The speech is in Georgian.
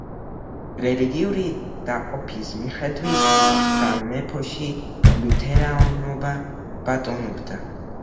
რელიგიური დაყოფის მიხედვით, სამეფოში ლუთერანობა ბატონობდა.